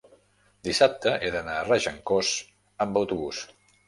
dissabte he d'anar a Regencós amb autobús.